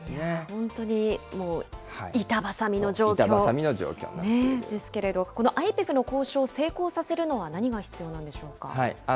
本当にもう板挟みの状況ですけれども、このＩＰＥＦの交渉を成功させるには何が必要なんでしょうか。